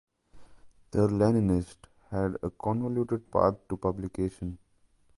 "The Leninist" had a convoluted path to publication.